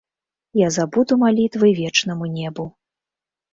Я забуду малітвы вечнаму небу.